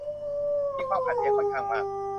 มีความขัดแย้งค่อนข้างมาก